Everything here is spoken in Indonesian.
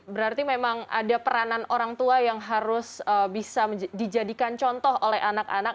berarti memang ada peranan orang tua yang harus bisa dijadikan contoh oleh anak anak